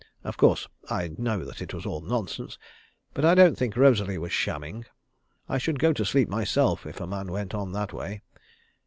Of course I know that it was all nonsense; but I don't think Rosalie was shamming. I should go to sleep myself, if a man went on that way.